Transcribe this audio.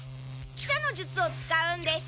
喜車の術を使うんです。